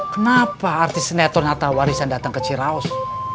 kenapa artis sinetron harta warisan datang ke ciraus